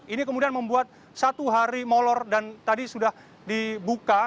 ini kemudian membuat satu hari molor dan tadi sudah dibuka